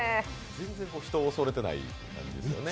全然、人を恐れてない感じですよね。